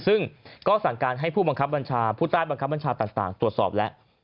ซึ่งก็สั่งการให้ผู้บังคับบัญชาผู้ใต้บังคับบัญชาต่างตรวจสอบแล้ว